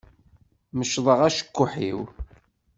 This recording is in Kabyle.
Mecḍeɣ acekkuḥ-iw.